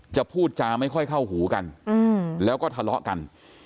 พูดจาไม่ค่อยเข้าหูกันแล้วก็ทะเลาะกัน